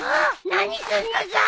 何すんのさ。